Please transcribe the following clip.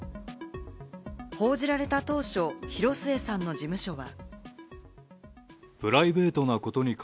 報じられた当初、広末さんの事務所は。